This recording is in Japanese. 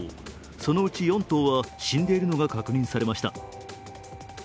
そのうち４頭は死んでいるのが確認されました。